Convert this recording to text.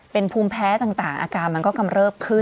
เป็นภูมิแพ้ต่างอาการมันก็กำเริบขึ้น